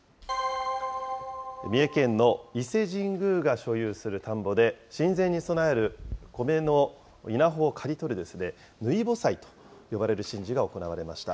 三重県の伊勢神宮が所有する田んぼで、神前に供える米の稲穂を刈り取る抜穂祭と呼ばれる神事が行われました。